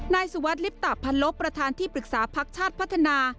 นายสุวัสดิลิปตะพันลบประธานที่ปรึกษาพักชาติพัฒนา